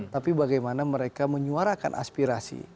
tapi bagaimana mereka menyuarakan aspirasi